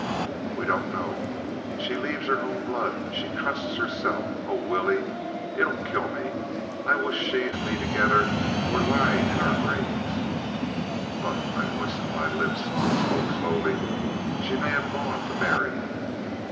"We don't know. She leaves her own blood, she trusts herself— Oh, Willie, it'll kill me! I wish she and me together were lying in our graves." "But"—I moistened my lips and spoke slowly—"she may have gone to marry."